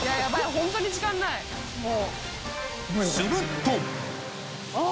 するとあ。